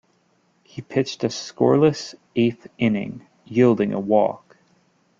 He pitched a scoreless eighth inning, yielding a walk.